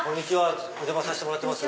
お邪魔させてもらってます。